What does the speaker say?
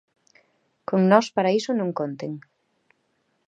Con nós, para iso, non conten.